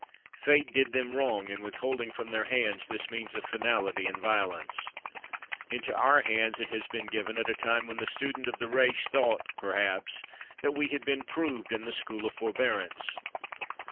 Fate did them wrong in withholding from their hands this means of finality and violence. Into our hands it has been given at a time when the student of the race thought, perhaps, that we had been proved in the school of forbearance.